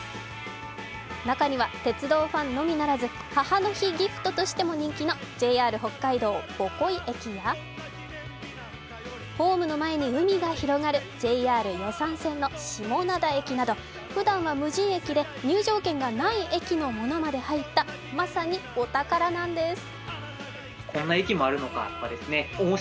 中には、鉄道ファンのみならず母の日ギフトとしても人気のＪＲ北海道・母恋駅やホームの前に海が広がるＪＲ予讃線の下灘駅など、ふだんは無人駅で入場券がない駅のものまで入った、まさにお宝なんです。